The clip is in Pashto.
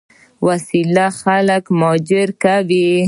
وسله خلک مهاجر کوي